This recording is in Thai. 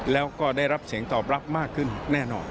แล้วก็ได้รับเสียงตอบรับมากขึ้นแน่นอน